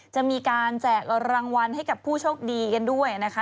จะมีการแจกรางวัลให้กับผู้โชคดีกันด้วยนะคะ